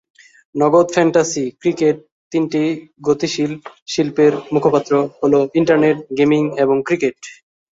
নগদ fantasy cricket তিনটি গতিশীল শিল্পের মুখপাত্র হ'ল ইন্টারনেট, গেমিং এবং ক্রিকেট।